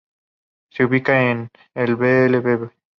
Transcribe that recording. Se ubica en el Blvd.